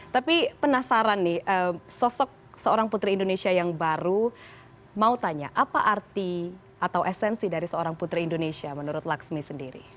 tapi penasaran nih sosok seorang putri indonesia yang baru mau tanya apa arti atau esensi dari seorang putri indonesia menurut laksmi sendiri